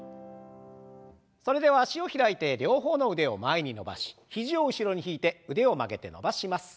それでは脚を開いて両方の腕を前に伸ばし肘を後ろに引いて腕を曲げて伸ばします。